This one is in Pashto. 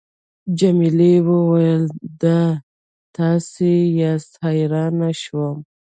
جميلې وويل:: دا تاسي یاست، حیرانه شوم.